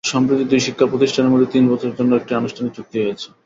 সম্প্রতি দুই প্রতিষ্ঠানের মধ্যে তিন বছরের জন্য একটি আনুষ্ঠানিক চুক্তি হয়েছে।